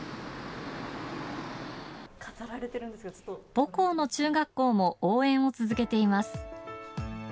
母校の中学校も応援を続けています。